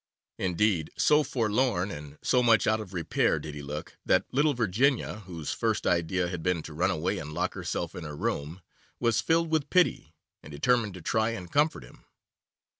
Indeed, so forlorn, and so much out of repair did he look, that little Virginia, whose first idea had been to run away and lock herself in her room, was filled with pity, and determined to try and comfort him.